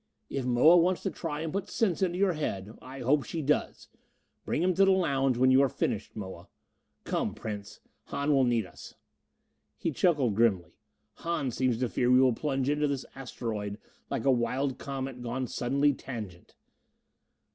"If Moa wants to try and put sense into your head I hope she does. Bring him to the lounge when you are finished, Moa. Come, Prince Hahn will need us." He chuckled grimly. "Hahn seems to fear we will plunge into this asteroid like a wild comet gone suddenly tangent!"